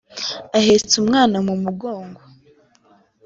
ahetse umwana mu mugongo